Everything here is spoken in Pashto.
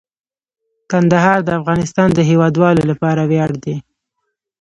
کندهار د افغانستان د هیوادوالو لپاره ویاړ دی.